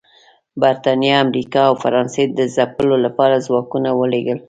برېټانیا، امریکا او فرانسې د ځپلو لپاره ځواکونه ولېږل